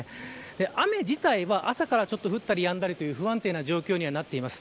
雨自体は朝から降ったりやんだりという不安定な状況にはなっています。